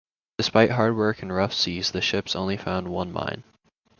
Despite hard work in rough seas, the ships only found one mine.